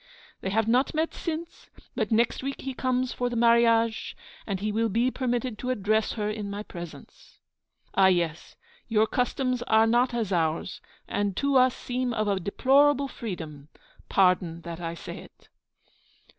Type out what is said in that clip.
They have not met since; but next week he comes for the marriage, and he will be permitted to address her in my presence. Ah, yes! your customs are not as ours, and to us seem of a deplorable freedom. Pardon that I say it.'